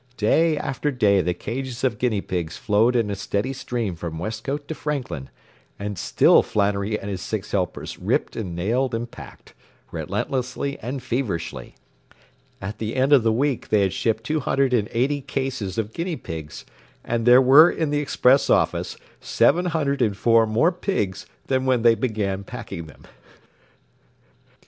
Day after day the cages of guineapigs flowed in a steady stream from Westcote to Franklin, and still Flannery and his six helpers ripped and nailed and packed relentlessly and feverishly. At the end of the week they had shipped two hundred and eighty cases of guinea pigs, and there were in the express office seven hundred and four more pigs than when they began packing them.